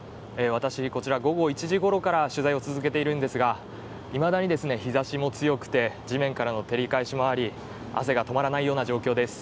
私、こちら午後１時ごろから取材を続けているんですがいまだに日ざしも強くて、地面からの照り返しもあり汗が止まらないような状況です。